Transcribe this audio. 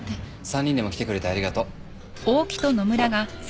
３人でも来てくれてありがとう。